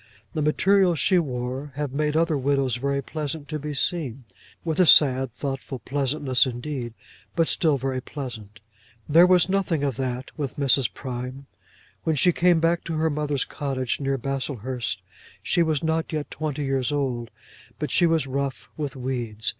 The materials she wore have made other widows very pleasant to be seen, with a sad thoughtful pleasantness indeed, but still very pleasant. There was nothing of that with Mrs. Prime. When she came back to her mother's cottage near Baslehurst she was not yet twenty years old, but she was rough with weeds.